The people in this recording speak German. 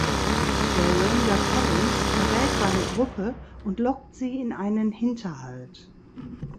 Der Ranger Collins verrät seine Gruppe und lockt sie in einen Hinterhalt.